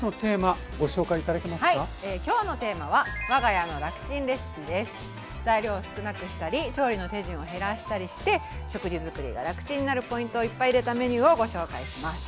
はい今日のテーマは材料を少なくしたり調理の手順を減らしたりして食事作りが楽チンになるポイントをいっぱい入れたメニューをご紹介します。